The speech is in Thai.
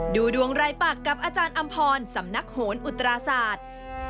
ดูดวงรายปากกับอาจารย์อำพรสำนักโหนอุตราศาสตร์